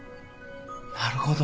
なるほど。